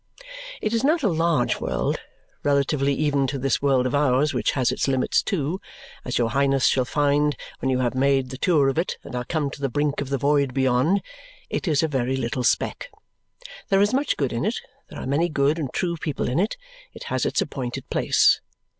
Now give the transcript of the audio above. It is not a large world. Relatively even to this world of ours, which has its limits too (as your Highness shall find when you have made the tour of it and are come to the brink of the void beyond), it is a very little speck. There is much good in it; there are many good and true people in it; it has its appointed place.